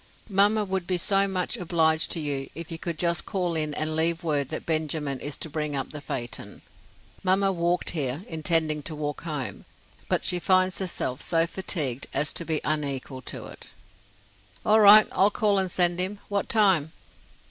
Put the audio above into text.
"Mamma would be so much obliged to you, if you would just call in and leave word that Benjamin is to bring up the phaeton. Mamma walked here, intending to walk home, but she finds herself so fatigued as to be unequal to it." "All right. I'll call and send him. What time?"